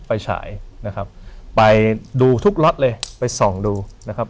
ฉายนะครับไปดูทุกล็อตเลยไปส่องดูนะครับ